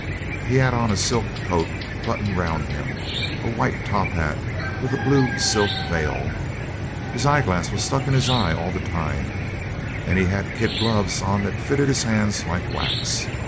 He had on a silk coat buttoned round him, a white top hat with a blue silk veil. His eyeglass was stuck in his eye all the time, and he had kid gloves on that fitted his hands like wax.